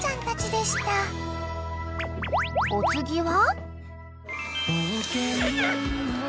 ［お次は？］